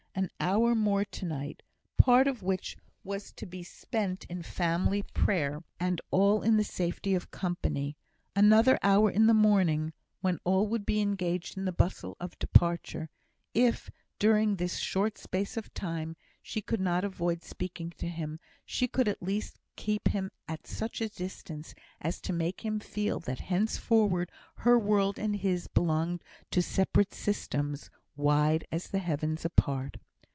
An hour more to night (part of which was to be spent in family prayer, and all in the safety of company), another hour in the morning (when all would be engaged in the bustle of departure) if, during this short space of time, she could not avoid speaking to him, she could at least keep him at such a distance as to make him feel that henceforward her world and his belonged to separate systems, wide as the heavens apart.